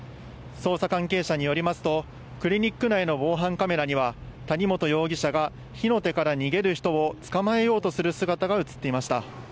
捜査関係者によりますと、クリニック内の防犯カメラには、谷本容疑者が火の手から逃げる人を捕まえようとする姿が写っていました。